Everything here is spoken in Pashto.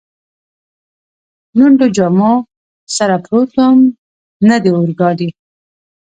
لوندو جامو سره پروت ووم، نه د اورګاډي.